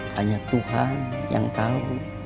hanya tuhan yang tau